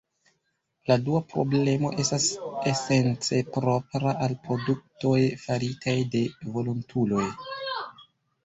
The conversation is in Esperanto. La dua problemo estas esence propra al produktoj faritaj de volontuloj.